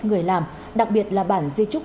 người làm đặc biệt là bản di trúc